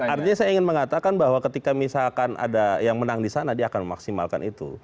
artinya saya ingin mengatakan bahwa ketika misalkan ada yang menang di sana dia akan memaksimalkan itu